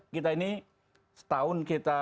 kita ini setahun kita